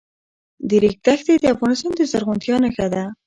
د ریګ دښتې د افغانستان د زرغونتیا نښه ده.